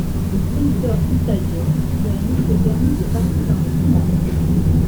Le sprinter italien lui a en effet permis de passer dans le final.